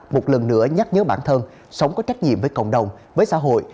một lần nữa nhắc nhớ bản thân sống có trách nhiệm với cộng đồng với xã hội